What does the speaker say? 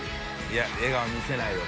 いや笑顔見せないよ